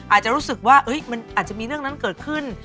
อาจจะรู้สึกว่ามันอาจจะมีเรื่องนั้นเกิดขึ้น